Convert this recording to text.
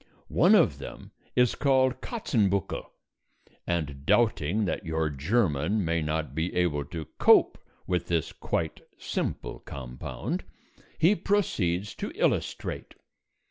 One of them is called Katzenbuckel, and doubting that your German may not be able to cope with this quite simple compound, he proceeds to illustrate.